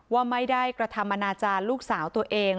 ว่าไม่ได้กระทำอนาจารย์ลูกสาวตัวเอง